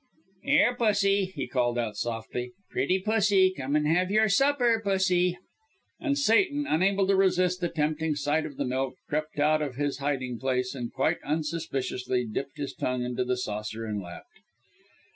"Here pussy," he called out, softly. "Pretty pussy, come and have your supper! Pussy!" And Satan, unable to resist the tempting sight of the milk, crept out of his hiding place and quite unsuspiciously dipped his tongue into the saucer and lapped.